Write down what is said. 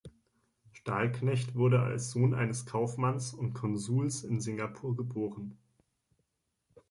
Stahlknecht wurde als Sohn eines Kaufmanns und Konsuls in Singapur geboren.